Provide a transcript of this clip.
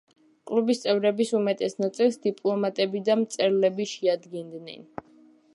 კლუბის წევრების უმეტეს ნაწილს დიპლომატები და მწერლები შეადგენდნენ.